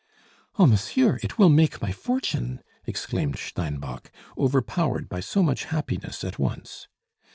"Oh, monsieur, it will make my fortune!" exclaimed Steinbock, overpowered by so much happiness at once.